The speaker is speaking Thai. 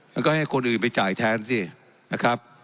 แล้วก็ให้คนอื่นไปจ่ายแทนสินะครับ